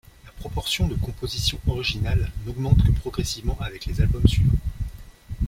La proportion de compositions originales n'augmente que progressivement avec les albums suivants.